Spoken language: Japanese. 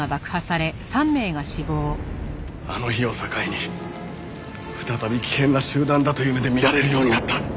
あの日を境に再び危険な集団だという目で見られるようになった。